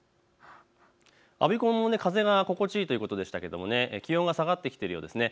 我孫子も風が心地いいということでしたけれども気温が下がっているようですね。